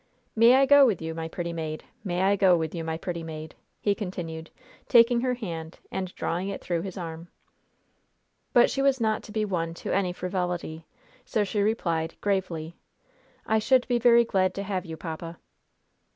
"'May I go with you, my pretty maid? May I go with you, my pretty maid?'" he continued, taking her hand and drawing it through his arm. But she was not be won to any frivolity, so she replied, gravely: "I should be very glad to have you, papa."